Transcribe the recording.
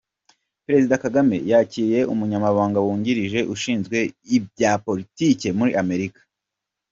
Perezida Kagame yakiriye Umunyamabanga wungirije ushinzwe ibya Politiki muri America